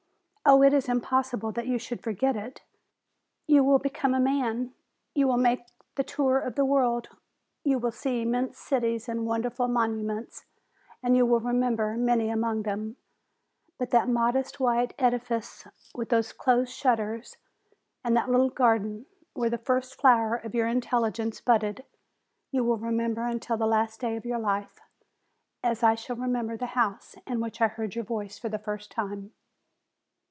Oh, it is impos sible that you should forget it ! You will become a man, you will make the tour of the world, you will see immense cities and wonderful monuments, and you will remember many among them; but that modest white edifice, with those closed shutters and that little garden, where the first flower of your intelligence budded, you will remem ber until the last day of your life, as I shall remember the house in which I heard your voice for the first time.